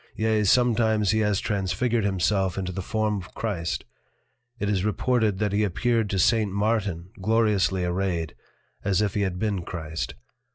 Yea, sometimes he has transfigured himself into the Form of Christ. It is reported that he appeared to St. Martin Gloriously arrayed, as if he had been Christ.